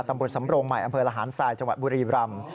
ตำบลสำโรงใหม่อำเภอระหารทรายจังหวัดบุรีรำ